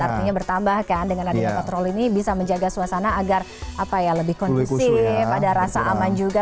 artinya bertambah kan dengan adanya patroli ini bisa menjaga suasana agar apa ya lebih kondisi pada rasa aman juga